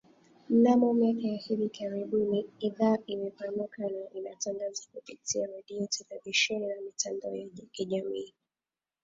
Mnamo miaka ya hivi karibuni idhaa imepanuka na inatangaza kupitia redio televisheni na mitandao ya kijamii